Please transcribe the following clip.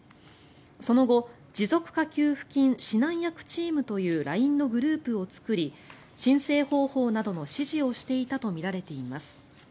その後持続化給付金指南役チームというＬＩＮＥのグループを作り申請方法などの指示をしていたとみられています。